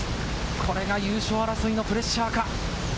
これが優勝争いのプレッシャーか。